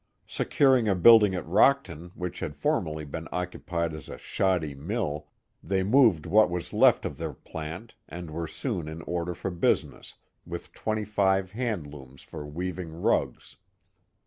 Securing a building at Rockton which had formerly been occupied as a shoddy mill, they moved what was left of their plant, and were soon in order for business, with twenty. five hand looms for weaving rugs.